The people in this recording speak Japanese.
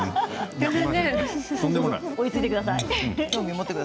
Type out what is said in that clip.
追いついてください。